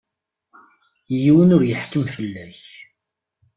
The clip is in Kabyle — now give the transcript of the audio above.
Yiwen ur yeḥkim fell-ak.